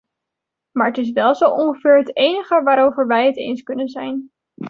Maar het is wel zo ongeveer het enige waarover wij het eens kunnen zijn.